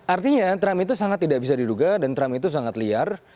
artinya trump itu sangat tidak bisa diduga dan trump itu sangat liar